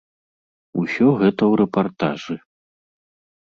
Усё гэта ў рэпартажы.